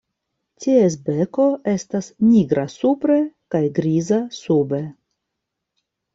Ties beko estas nigra supre kaj griza sube.